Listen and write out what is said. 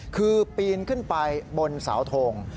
คือปีนขึ้นไปบนเสาทง